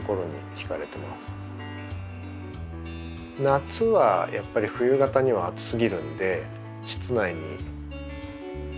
夏はやっぱり冬型には暑すぎるんで室内に取り込んであげて。